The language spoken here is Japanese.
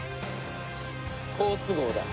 好都合だ。